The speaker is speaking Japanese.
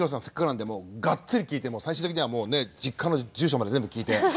せっかくなんでもうがっつり聞いて最終的にはもうね実家の住所まで全部聞いて。